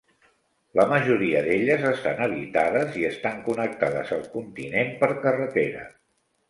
La majoria d'elles estan habitades, i estan connectades al continent per carretera.